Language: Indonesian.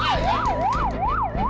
apaan mau ikut ikutan